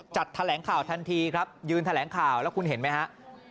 แถลงข่าวทันทีครับยืนแถลงข่าวแล้วคุณเห็นไหมฮะ